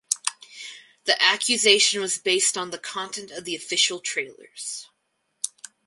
The accusation was based on the content of the official trailers.